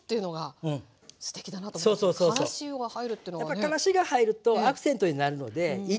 やっぱからしが入るとアクセントになるのでいいと思います。